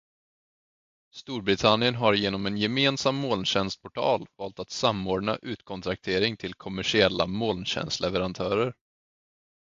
Storbritannien har genom en gemensam molntjänstportal valt att samordna utkontraktering till kommersiella molntjänstleverantörer.